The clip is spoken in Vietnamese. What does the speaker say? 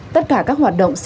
tất cả các hoạt động của tổ tư